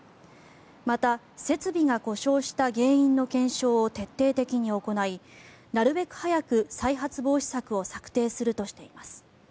また、設備が故障した原因の検証を徹底的に行いなるべく早く再発防止策を策定するとしています。